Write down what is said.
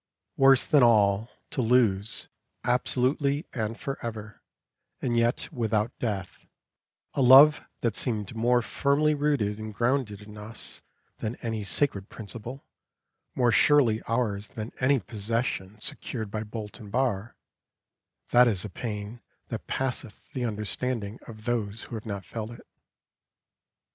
Worse than all, to lose, absolutely and for ever, and yet without death, a love that seemed more firmly rooted and grounded in us than any sacred principle, more surely ours than any possession secured by bolt and bar that is a pain that passeth the understanding of those who have not felt it.